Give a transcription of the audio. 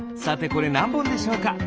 さてこれなんぼんでしょうか？